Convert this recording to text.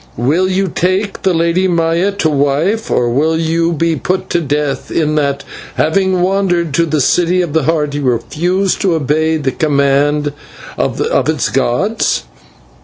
Will you take the Lady Maya to wife, or will you be put to death in that, having wandered to the City of the Heart, you refuse to obey the command of its gods?"